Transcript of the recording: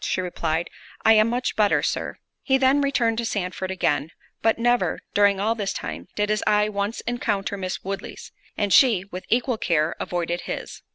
She replied, "I am much better, Sir." He then returned to Sandford again; but never, during all this time, did his eye once encounter Miss Woodley's; and she, with equal care, avoided his.